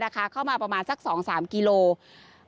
เข้ามาประมาณสัก๒๓กิโลกรัม